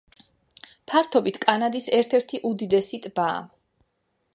ფართობით კანადის ერთ-ერთი უდიდესი ტბაა.